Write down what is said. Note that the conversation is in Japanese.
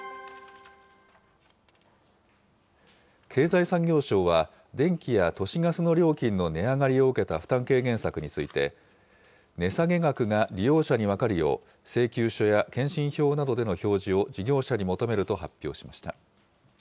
経済産業省は、電気や都市ガスの料金の値上がりを受けた負担軽減策について、値下げ額が利用者に分かるよう、請求書や検針票などでの表示を事業者に求めると発表しました。